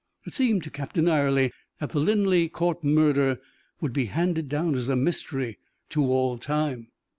It seemed to Captain Ayrley, that the Linleigh Court murder would be handed down as a mystery to all time.